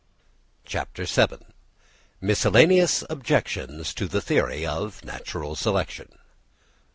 CHAPTER VII. MISCELLANEOUS OBJECTIONS TO THE THEORY OF NATURAL SELECTION.